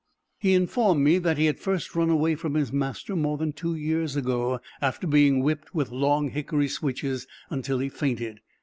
He informed me that he had first run away from his master more than two years ago, after being whipped with long hickory switches until he fainted.